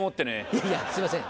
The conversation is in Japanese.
いやいやすいません